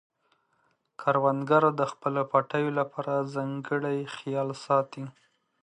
کروندګر د خپلو پټیو لپاره ځانګړی خیال ساتي